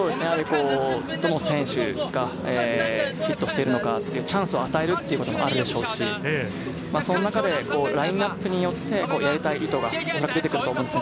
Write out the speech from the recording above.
どの選手がヒットしてるのか、チャンスを与えるということもあるでしょうし、その中でラインナップによって、やりたい意図が出てくると思います。